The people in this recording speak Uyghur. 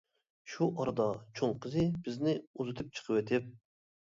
شۇ ئارىدا چوڭ قىزى بىزنى ئۇزىتىپ چىقىۋېتىپ.